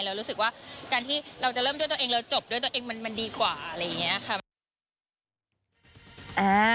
แล้วรู้สึกว่าการที่เราจะเริ่มด้วยตัวเองแล้วจบด้วยตัวเองมันดีกว่าอะไรอย่างนี้ค่ะ